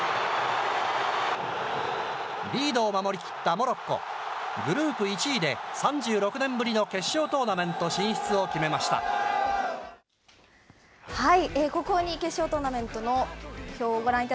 リードを守り切ったモロッコ、グループ１位で３６年ぶりの決勝トーナメント進出を決めました。